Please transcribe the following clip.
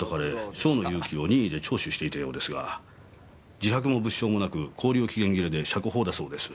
正野勇樹を任意で聴取していたようですが自白も物証もなく勾留期限切れで釈放だそうです。